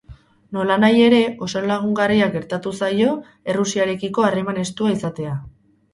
Nolanahi ere, oso lagungarriak gertatu zaio Errusiarekiko harreman estua izatea.